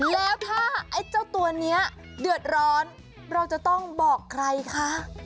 แล้วถ้าไอ้เจ้าตัวนี้เดือดร้อนเราจะต้องบอกใครคะ